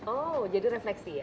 oh jadi refleksi ya